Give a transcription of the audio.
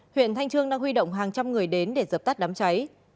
huyện thanh trương đang huy động hàng trăm người đến để dập tắt đám cháy